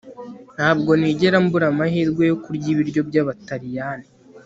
Ntabwo nigera mbura amahirwe yo kurya ibiryo byabataliyani